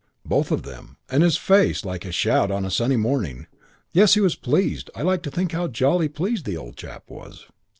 Both of them. And his face like a shout on a sunny morning. Yes, he was pleased. I like to think how jolly pleased the old chap was.